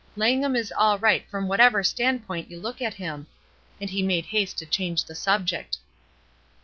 Lang ham is all right from whatever standpoint you look at him." And he made haste to change the subject.